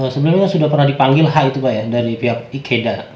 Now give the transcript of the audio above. sebelumnya sudah pernah dipanggil h itu pak ya dari pihak ikeda